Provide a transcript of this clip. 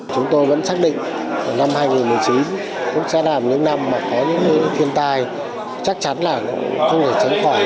chúng tôi vẫn xác định năm hai nghìn một mươi chín cũng sẽ là những năm mà có những thiên tai chắc chắn là không thể tránh khỏi